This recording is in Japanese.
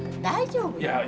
大丈夫よ。